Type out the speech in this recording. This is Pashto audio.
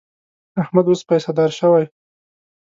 احمد اوس پیسهدار شوی.